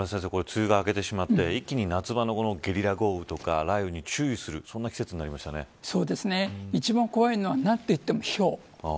梅雨が明けてしまって一気に夏場のゲリラ豪雨や雷雨に注意する一番怖いのは何といっても、ひょう。